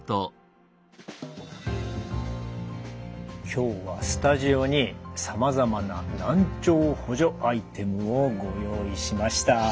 今日はスタジオにさまざまな難聴補助アイテムをご用意しました。